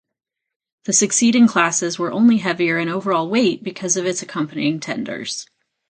The succeeding classes were only heavier in overall weight because of its accompanying tenders.